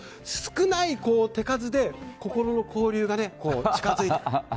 少ない手数で心の交流が近づいていく。